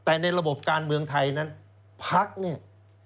แต่ในระบบการเมืองไทยนั้นพักเนี่ย